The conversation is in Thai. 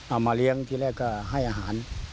เอามาเลี้ยงที่แรกก็ให้อาหาร